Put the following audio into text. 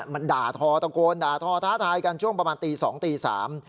มันด่าทอตะโกนด่าทอท้าทายกันช่วงประมาณตีสองตีสาม